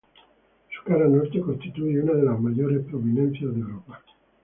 Su cara norte constituye una de las mayores prominencias de Europa.